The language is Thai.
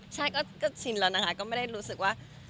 ใช่ก็ชินแล้วนะคะก็ไม่ได้รู้สึกว่า